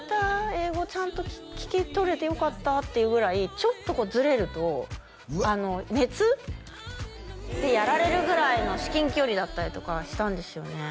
「英語ちゃんと聞き取れてよかった」っていうぐらいちょっとこうずれると熱でやられるぐらいの至近距離だったりとかしたんですよね